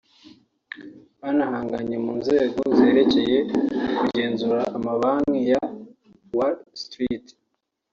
Banahanganye mu nzego zerekeye kugenzura amabanki ya Wall Street